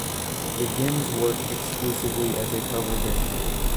The Gimmes work exclusively as a cover band.